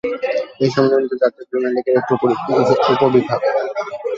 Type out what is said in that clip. এই সম্মেলনটি জাতীয় প্রিমিয়ার লীগের একটি উপ-বিভাগ।